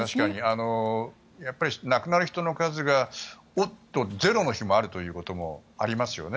亡くなる人の数がゼロの日もあるということもありますよね。